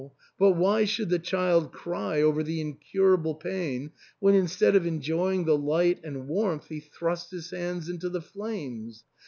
But why should the child cry over the incurable pain when instead of enjoying the light and warmth he thrusts his hand into the flames